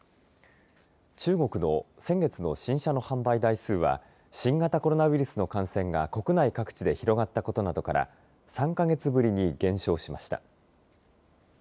中国の先月の新車の販売台数は新型コロナウイルスの感染が国内各地で広がったことなどから３か月ぶりに減少しました。